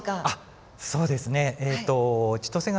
あっそうですねえっと